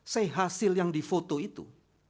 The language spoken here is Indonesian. sehasil yang difoto itu